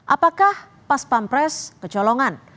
apakah pas pampres kecolongan